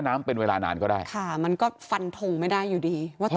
น้ำเป็นเวลานานก็ได้ค่ะมันก็ฟันทงไม่ได้อยู่ดีว่าต้อง